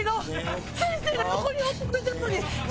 先生が横におってくれてるのに！